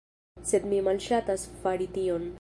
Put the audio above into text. Sed mi malŝatas fari tion.